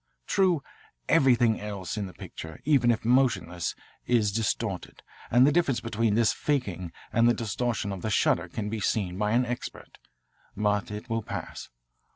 True, everything else in the picture, even if motionless, is distorted, and the difference between this faking and the distortion of the shutter can be seen by an expert. But it will pass.